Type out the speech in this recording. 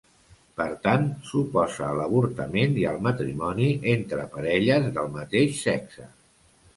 Per tant, s'oposa a l'avortament i al matrimoni entre parelles del mateix sexe.